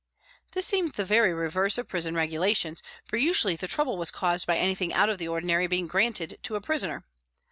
This seemed the very reverse of prison regulations, for usually the trouble was caused by anything out of the ordinary being granted to a prisoner.